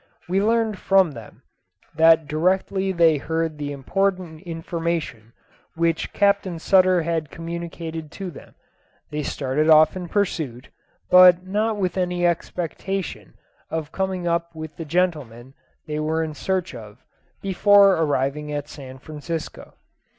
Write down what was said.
We learned from them, that directly they heard the important information which Captain Sutter had communicated to them, they started off in pursuit, but not with any expectation of coming up with the gentlemen they were in search of before arriving at San Francisco.